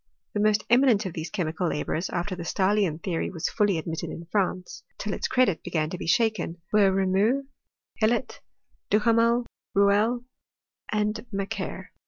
The most eminent of these chemical labourers, after the Stahlian theory was fully ad mitted in France till its credit began to be shaken, were Reaumur, Hellot, Duhamel, Rouelle, and Mac quer.